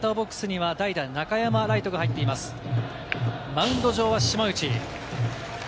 マウンド上は島内。